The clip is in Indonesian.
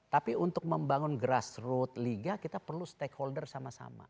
tapi untuk membangun grassroot liga kita perlu stakeholder sama sama